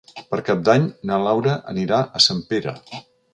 Per Cap d'Any na Laura anirà a Sempere.